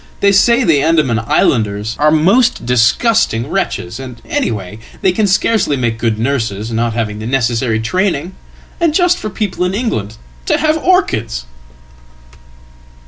They say the Andaman islanders are most disgustingwretches and, anyhow, they can scarcely make good nurses, not having thenecessary training. And just for people in England to have orchids!""